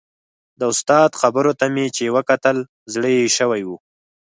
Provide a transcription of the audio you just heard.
د استاد خبرو ته چې مې وکتل زړه یې شوی و.